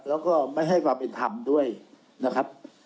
แล้วก็ไม่ให้ความเป็นธรรมด้วยนะครับ